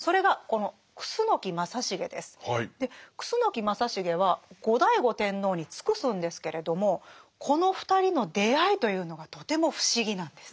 楠木正成は後醍醐天皇に尽くすんですけれどもこの２人の出会いというのがとても不思議なんです。